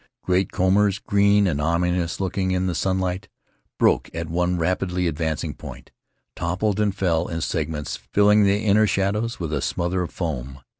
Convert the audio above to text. Great combers, green and ominous looking in the sunlight, broke at one rapidly advancing point, toppled and fell in segments, filling the inner shallows with a smother of foam.